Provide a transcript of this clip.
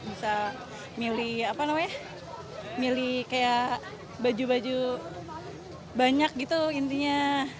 bisa milih apa namanya milih kayak baju baju banyak gitu intinya